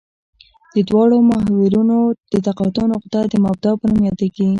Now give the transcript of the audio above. د دواړو محورونو د تقاطع نقطه د مبدا په نوم یادیږي